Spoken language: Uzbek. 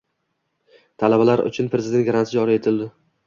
Talabalar uchun Prezident granti joriy etildi